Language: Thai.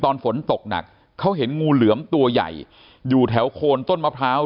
ฝนตกหนักเขาเห็นงูเหลือมตัวใหญ่อยู่แถวโคนต้นมะพร้าว